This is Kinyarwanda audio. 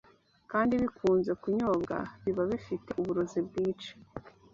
kandi bikunze kunyobwa, biba bifite uburozi bwica.